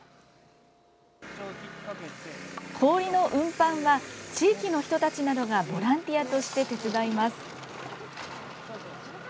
氷の運搬は、地域の人たちなどがボランティアとして手伝います。